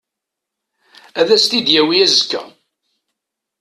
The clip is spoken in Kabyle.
Ad as-t-id-yawi azekka.